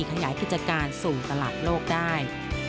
ขยายกิจการสู่ตลาดโลกได้